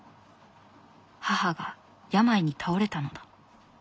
母が病に倒れたのだ。